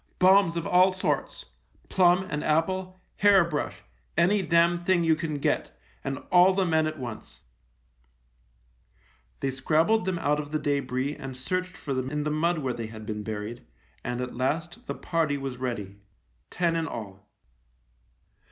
" Bombs of all sorts — plum and apple, hair brush, any damn thing you can get, and all the men at once !" They scrabbled them out of the debris and searched for them in the mud, where they had been buried, and at last the party was ready — ten in all.